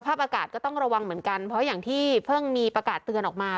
อากาศก็ต้องระวังเหมือนกันเพราะอย่างที่เพิ่งมีประกาศเตือนออกมา